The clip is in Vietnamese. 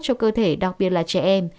cho cơ thể đặc biệt là trẻ em